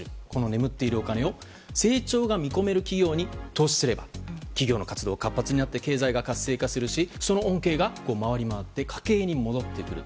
眠っているお金を成長が見込める企業に投資すれば企業の活動が活発になって経済が活発化するしその恩恵が回りまわって家計に戻ってくる。